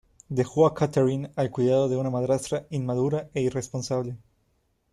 Dejó a Catherine al cuidado de una madrastra inmadura e irresponsable.